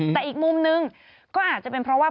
แต่อีกมุมนึงก็อาจจะเป็นเพราะว่า